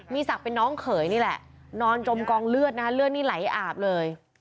มีศักดิ์เป็นน้องเขยนี่แหละนอนจมกองเลือดนะฮะเลือดนี่ไหลอาบเลย